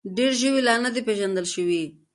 ډېر ژوي لا نه دي پېژندل شوي.